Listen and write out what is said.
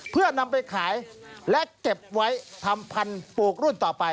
เพื่อนำไปขายและเก็บไว้ทำพันธุ์ปลูกรุ่นต่อไป